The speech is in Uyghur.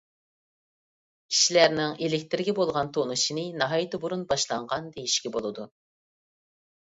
كىشىلەرنىڭ ئېلېكتىرگە بولغان تونۇشىنى ناھايىتى بۇرۇن باشلانغان دېيىشكە بولىدۇ.